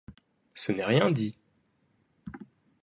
Ce n’est rien, dis ?